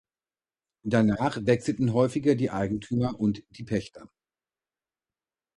Danach wechselten häufiger die Eigentümer und die Pächter.